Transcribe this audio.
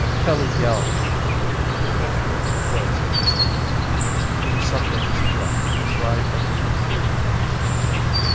Kelly yelled. The cold wind froze at his teeth. It sucked at his breath and dried at the interior of his mouth.